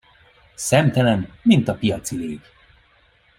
Szemtelen, mint a piaci légy.